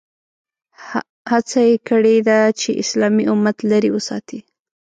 هڅه یې کړې ده چې اسلامي امت لرې وساتي.